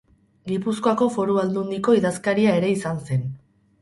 Gipuzkoako Foru Aldundiko idazkaria ere izan zen.